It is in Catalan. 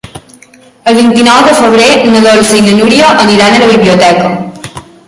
El vint-i-nou de febrer na Dolça i na Núria aniran a la biblioteca.